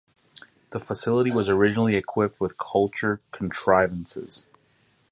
The facility was originally equipped with culture contrivances.